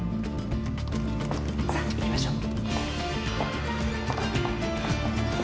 さあ行きましょう。